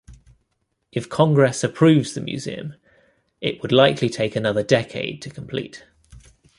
If Congress approves the museum, it would likely take another a decade to complete.